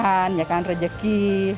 kesehatan ya kan rejeki